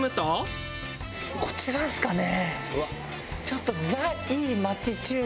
こちらですかね？